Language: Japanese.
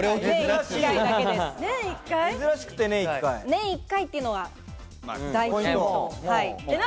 年１回というのが大ヒント。